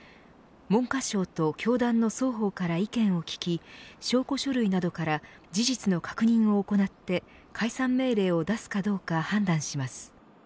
文科省と教団の双方から意見を聞き証拠書類などから事実の確認を行って解散命令を出すかどうか判断します。